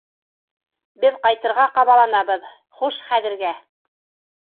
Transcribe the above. Беҙ ҡайтырға ҡабаланабыҙ, хуш хәҙергә!